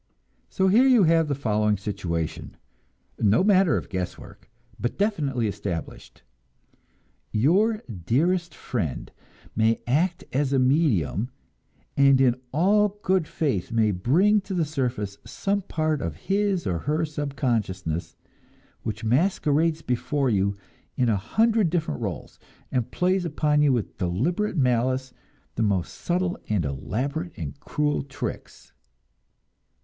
So here you have the following situation, no matter of guesswork, but definitely established: your dearest friend may act as a medium, and in all good faith may bring to the surface some part of his or her subconsciousness, which masquerades before you in a hundred different rôles, and plays upon you with deliberate malice the most subtle and elaborate and cruel tricks.